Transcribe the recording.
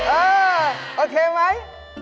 เออโอเคไหม